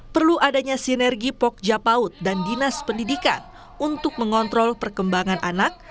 perlu adanya sinergi pokja paut dan dinas pendidikan untuk mengontrol perkembangan anak